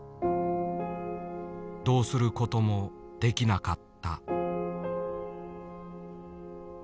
どうすることもできなかった。